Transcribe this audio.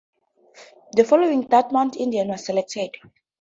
The following Dartmouth Indian was selected.